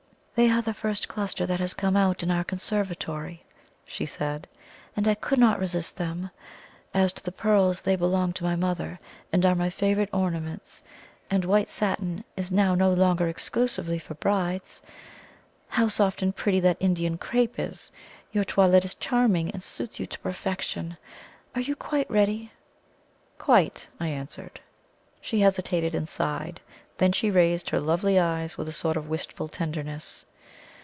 "They are the first cluster that has come out in our conservatory," she said; "and I could not resist them. As to the pearls, they belonged to my mother, and are my favourite ornaments; and white satin is now no longer exclusively for brides. How soft and pretty that Indian crepe is! Your toilette is charming, and suits you to perfection. Are you quite ready?" "Quite," I answered. She hesitated and sighed. Then she raised her lovely eyes with a sort of wistful tenderness.